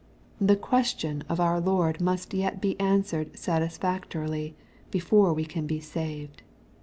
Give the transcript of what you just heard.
The question of our Lord must yet be an swered satisfactorily^ before we can be saved.